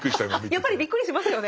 やっぱりびっくりしますよね。